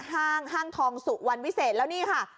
ห้างทองสุวรรณวิเศษแล้วนี่ค่ะ